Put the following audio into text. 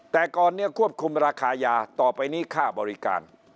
แต่ก่อนนี้ควบคุมราคายาต่อไปนี้ค่าบริการ